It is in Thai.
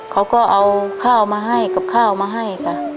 เขาก็เอาข้าวมาให้กับข้าวมาให้จ้ะ